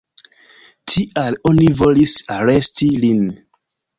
Tial oni volis aresti lin.